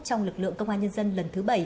trong lực lượng công an nhân dân lần thứ bảy